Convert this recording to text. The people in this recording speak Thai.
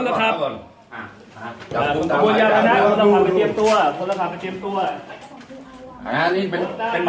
ตำรวจแห่งมือ